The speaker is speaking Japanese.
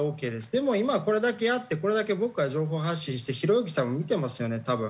でも今はこれだけやってこれだけ僕から情報発信してひろゆきさんも見てますよね多分。